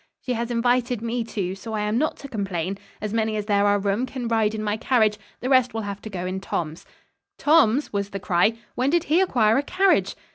"She has invited me, too, so I am not to complain. As many as there are room can ride in my carriage. The rest will have go in Tom's." "Tom's?" was the cry, "When did he acquire a carriage?"